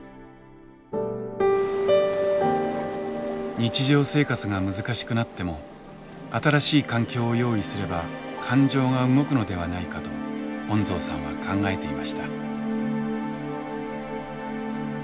日常生活が難しくなっても新しい環境を用意すれば感情が動くのではないかと恩蔵さんは考えていました。